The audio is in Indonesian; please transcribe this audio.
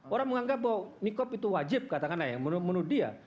orang menganggap bahwa nikob itu wajib katakanlah yang menurut dia